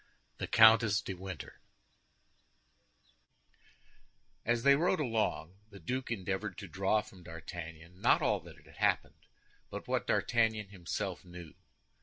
THE COUNTESS DE WINTER As they rode along, the duke endeavored to draw from D'Artagnan, not all that had happened, but what D'Artagnan himself knew.